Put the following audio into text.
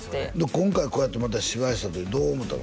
今回こうやってまた芝居した時どう思うたの？